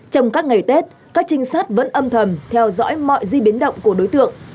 trong các ngày tết các trinh sát vẫn âm thầm theo dõi mọi di biến động của đối tượng